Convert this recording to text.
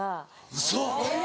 ウソ。